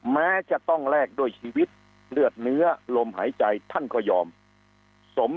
แม้จะต้องแลกด้วยชีวิตเลือดเนื้อลมหายใจท่านก็ยอมสม